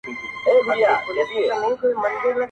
سمدستي یې کړه ور پرې غاړه په توره -